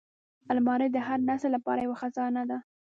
الماري د هر نسل لپاره یوه خزانه ده